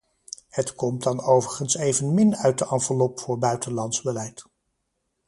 Het komt dan overigens evenmin uit de enveloppe voor buitenlands beleid.